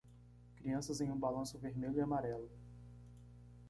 Crianças em um balanço vermelho e amarelo.